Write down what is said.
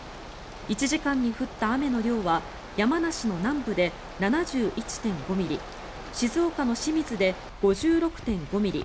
１時間に降った雨の量は山梨の南部で７１．５ミリ静岡の清水で５６．５ミリ